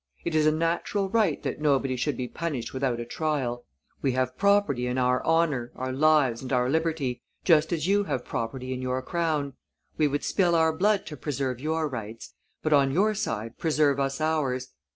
It is a natural right that nobody should be' punished without a trial; we have property in our honor, our lives, and our liberty, just as you have property in your crown. We would spill our blood to preserve your rights; but, on your side, preserve us ours.